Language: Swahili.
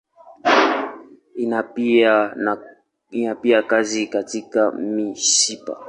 Ina pia kazi katika mishipa.